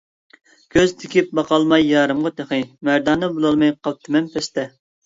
كۆز تىكىپ باقالماي يارىمغا تېخى، مەردانە بولالماي قاپتىمەن پەستە.